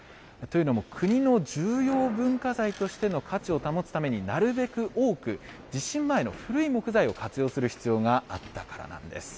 というのも、国の重要文化財としての価値を保つために、なるべく多く地震前の古い木材を活用する必要があったからなんです。